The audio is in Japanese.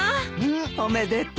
おめでとう。